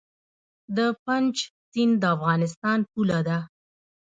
د پنج سیند د افغانستان پوله ده